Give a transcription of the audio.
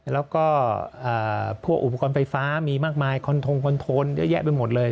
แล้วก็พวกอุปกรณ์ไฟฟ้ามีมากมายคอนทงคอนโทนเยอะแยะไปหมดเลย